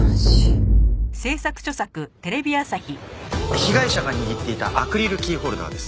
被害者が握っていたアクリルキーホルダーです。